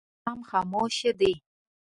دا ماښام خاموش دی.